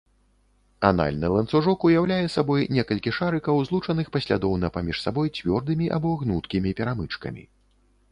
Анальны ланцужок уяўляе сабой некалькі шарыкаў, злучаных паслядоўна паміж сабой цвёрдымі або гнуткімі перамычкамі.